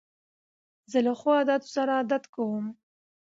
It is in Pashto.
زه له ښو عادتو سره عادت کوم.